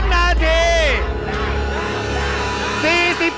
๓นาที